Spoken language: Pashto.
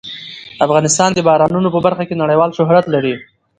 افغانستان د بارانونو په برخه کې نړیوال شهرت لري.